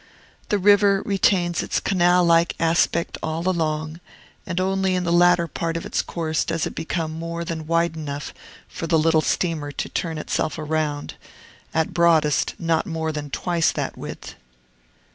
The river retains its canal like aspect all along; and only in the latter part of its course does it become more than wide enough for the little steamer to turn itself round, at broadest, not more than twice that width.